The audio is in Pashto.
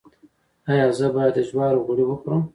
ایا زه باید د جوارو غوړي وخورم؟